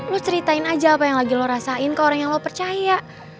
lu ceritain aja apa yang lagi lo rasain ke orang yang lo percaya